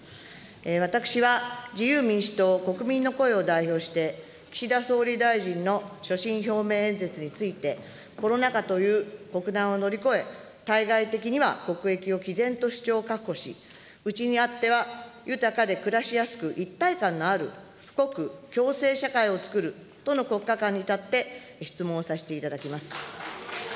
私は自由民主党・国民の声を代表して、岸田総理大臣の所信表明演説について、コロナ禍という国難を乗り越え、対外的には国益をきぜんと主張を確保し、内にあっては、豊かで暮らしやすく一体感のある富国・共生社会をつくるとの国家観に立って、質問をさせていただきます。